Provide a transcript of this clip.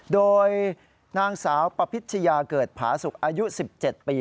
โดยนางสาวปพิชยาเกิดผาสุกอายุ๑๗ปี